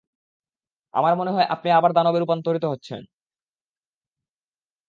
আমার মনে হয় আপনি আবার দানবে রূপান্তরিত হচ্ছেন।